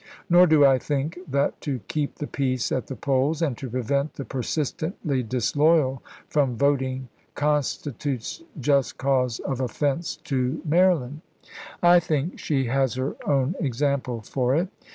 Nor do I think that to keep the peace at the polls, and to prevent the persistently dis loyal from voting, constitutes just cause of offense to Maryland. I think she has her own example for it.